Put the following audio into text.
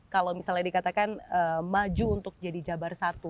kalau misalnya dikatakan maju untuk jadi jabar satu